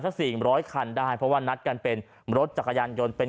สี่ร้อยคันได้เพราะว่านัดกันเป็นรถจักรยานยนต์เป็น